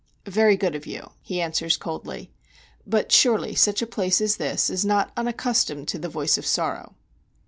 "Very good of you," he answers, coldly; "but surely such a place as this is not unaccustomed to the voice of sorrow."